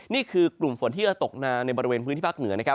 นี่คือกลุ่มฝนที่จะตกมาในบริเวณพื้นที่ภาคเหนือนะครับ